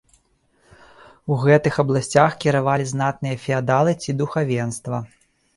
У гэтых абласцях кіравалі знатныя феадалы ці духавенства.